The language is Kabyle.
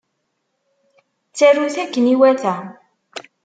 Ttarut akken iwata.